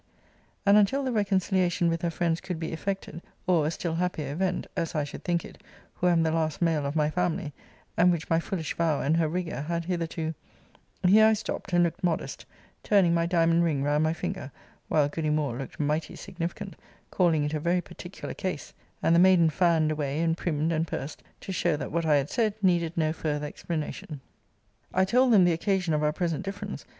And until the reconciliation with her friends could be effected; or a still happier event as I should think it, who am the last male of my family; and which my foolish vow, and her rigour, had hitherto' Here I stopt, and looked modest, turning my diamond ring round my finger; while goody Moore looked mighty significant, calling it a very particular case; and the maiden fanned away, and primm'd, and purs'd, to show that what I had said needed no farther explanantion. 'I told them the occasion of our present difference.